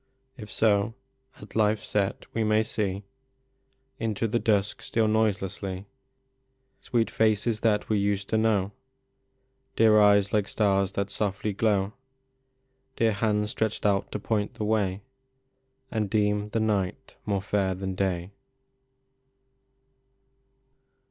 If so, at life s set we may see Into the dusk steal noiselessly Sweet faces that we used to know, Dear eyes like stars that softly glov/, Dear hands stretched out to point the way, And deem the night more fair than day.